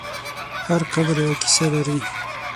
هر قبر یوه کیسه لري.